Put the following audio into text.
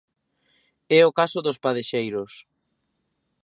É o caso dos padexeiros.